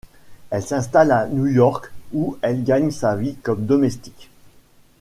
Elle s'installe à New York, où elle gagne sa vie comme domestique.